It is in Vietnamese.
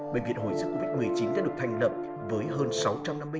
bệnh viện hồi sức covid một mươi chín đã được thành lập với hơn sáu trăm năm mươi ca